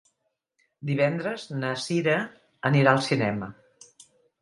Divendres na Sira anirà al cinema.